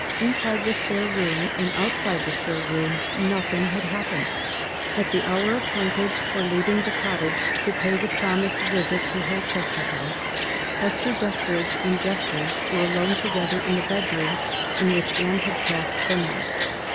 Inside the spare room, and outside the spare room, nothing had happened. At the hour appointed for leaving the cottage to pay the promised visit to Holchester House, Hester Dethridge and Geoffrey were alone together in the bedroom in which Anne had passed the night.